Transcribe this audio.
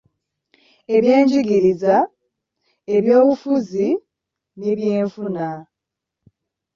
Ebyenjigiriza, ebyobufuzi n’ebyenfuna